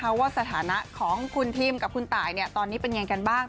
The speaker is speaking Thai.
เพราะว่าสถานะของคุณทิมกับคุณตายตอนนี้เป็นยังไงกันบ้าง